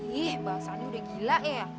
ih bahasanya udah gila ya